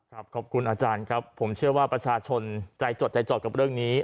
ขอบคุณอาจารย์ครับผมเชื่อว่าประชาชนใจจดใจจ่อกับเรื่องนี้